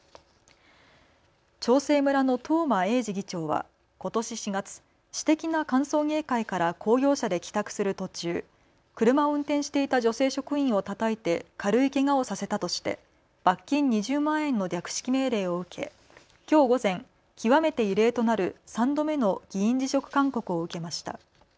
長生村の東間永次議長はことし４月、私的な歓送迎会から公用車で帰宅する途中車を運転していた女性職員をたたいて軽いけがをさせたとして罰金２０万円の略式命令を受けきょう午前、極めて異例となる３度目の議員辞職勧告を受けました。